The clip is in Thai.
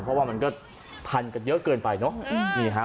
เพราะว่ามันก็พันธุ์กันเยอะเกินไปเนอะ